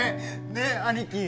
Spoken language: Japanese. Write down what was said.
ねえ兄貴！